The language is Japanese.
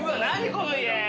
この家！